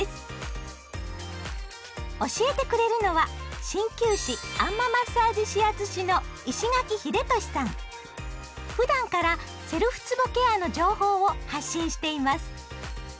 教えてくれるのは鍼灸師あん摩マッサージ指圧師のふだんからセルフつぼケアの情報を発信しています。